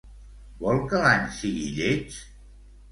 Vol que l'any sigui lleig?